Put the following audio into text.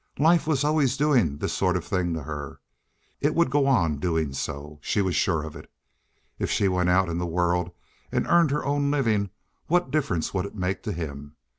Life was always doing this sort of a thing to her. It would go on doing so. She was sure of it. If she went out in the world and earned her own living what difference would it make to him?